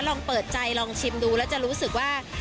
ลองเปิดใจลองชิมดูแล้วจะรู้สึกว่า